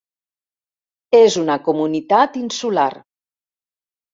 És una comunitat insular.